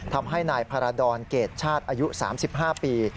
ทำให้นายพาราดรเกรดชาติอายุ๓๕ปี